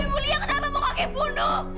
itu ibu lia kenapa mau kakek bunuh